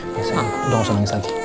udah jangan nangis lagi